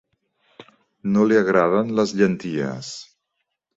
No li agraden les llenties.